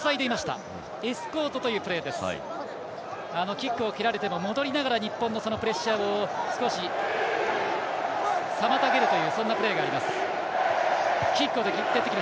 キックを蹴られても戻りながら日本のプレッシャーを少し妨げるというそんなプレーがあります。